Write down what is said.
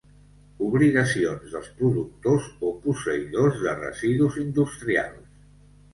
Obligacions dels productors o posseïdors de residus industrials.